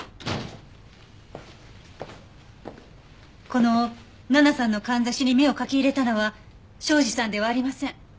この奈々さんのかんざしに目を描き入れたのは庄司さんではありません。